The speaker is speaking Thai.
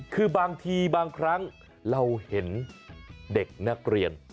คือบางทีบางครั้งเราเห็นเด็กนักเรียน